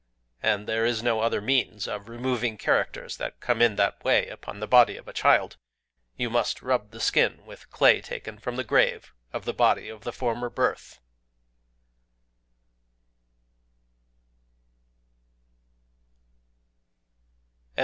And there is no other means of removing characters that come in that way upon the body of a child: you must rub the skin with clay taken from the grave of the body of the former birth."...